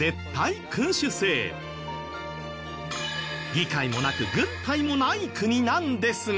議会もなく軍隊もない国なんですが。